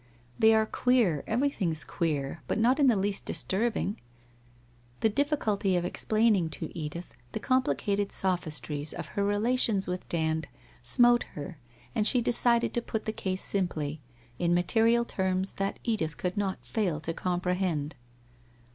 They are queer — everything's queer, but not in the least disturbing ' The difficulty of explaining to Edith the complicated sophistries of her relations with Dand smote her and she decided to put the case simply, in material terms that Edith could not fail to comprehend.